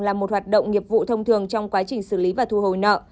là một hoạt động nghiệp vụ thông thường trong quá trình xử lý và thu hồi nợ